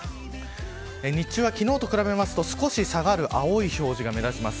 日中は昨日と比べると少し下がる青い表示が目立ちます。